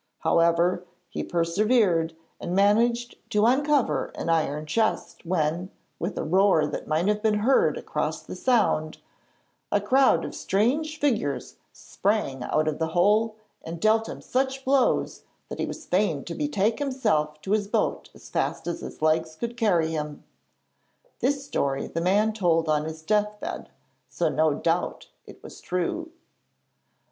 However, he persevered and managed to uncover an iron chest when, with a roar that might have been heard across the Sound, a crowd of strange figures sprang out of the hole and dealt him such blows that he was fain to betake himself to his boat as fast as his legs could carry him. This story the man told on his death bed, so no doubt it was true.'